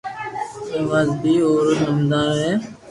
آواز بي او رو دمدار ھي